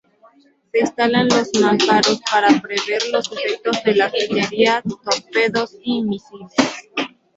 Se instalan los mamparos para prever los efectos de la artillería, torpedos y misiles.